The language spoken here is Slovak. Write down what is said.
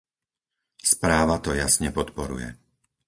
Správa to jasne podporuje.